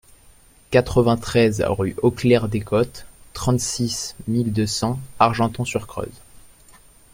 quatre-vingt-treize rue Auclert-Descôttes, trente-six mille deux cents Argenton-sur-Creuse